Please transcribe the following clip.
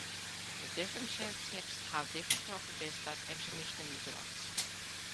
The different shaped tips have different properties that engineers can utilize.